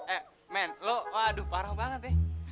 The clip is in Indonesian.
eh men lo aduh parah banget ya